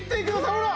ほら。